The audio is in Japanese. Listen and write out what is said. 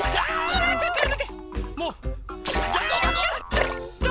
ちょっと！